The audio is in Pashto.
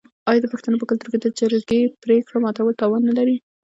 آیا د پښتنو په کلتور کې د جرګې پریکړه ماتول تاوان نلري؟